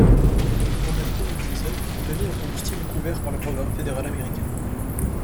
En ajoutant du diesel, elle devient un combustible couvert par le programme fédéral américain.